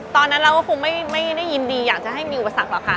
ตอนนั้นเราก็คงไม่ได้ยินดีอยากจะให้มีอุปสรรคหรอกค่ะ